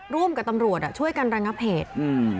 ร่วมกับตำรวจช่วยกันระงับเหตุ